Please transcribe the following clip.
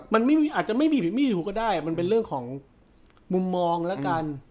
มันอาจจะไม่ผิดผิดถูกก็ได้มันเป็นเรื่องของมุมมองแล้วกัน